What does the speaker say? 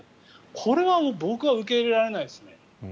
これは僕は受け入れられないですね。